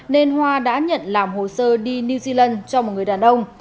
nên hoa đã nhận làm hồ sơ đi new zealand cho một người đàn ông